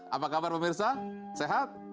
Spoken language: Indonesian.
apa kabar pemirsa sehat